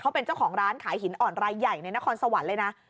เขาเป็นเจ้าของร้านขายหินอ่อนรายใหญ่ในนครสวรรค์เลยนะ